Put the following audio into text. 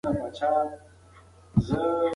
آیا ابن خلدون د عمران علم بنسټ ایښی دی؟